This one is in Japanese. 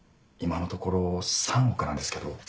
今のところ３億なんですけど。